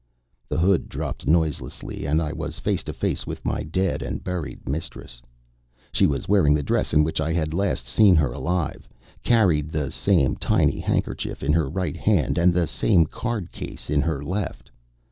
The hood dropped noiselessly, and I was face to face with my dead and buried mistress. She was wearing the dress in which I had last seen her alive; carried the same tiny handkerchief in her right hand; and the same cardcase in her left.